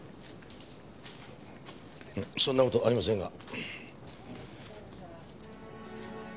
そんな事ありませんが。